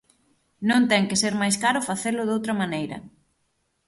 Non ten que ser máis caro facelo doutra maneira.